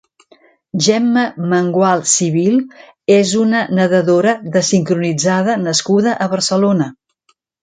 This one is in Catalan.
Gemma Mengual Civil és una nedadora de sincronitzada nascuda a Barcelona.